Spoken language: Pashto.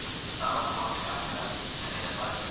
ټکنالوژي باید د خلکو په ګټه وي.